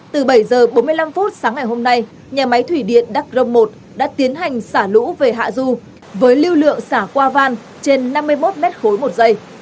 từ bảy h bốn mươi năm sáng ngày hôm nay nhà máy thủy điện đắc rông một đã tiến hành xả lũ về hạ du với lưu lượng xả qua van trên năm mươi một m khối một giây